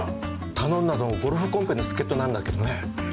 頼んだのゴルフコンペの助っ人なんだけどね。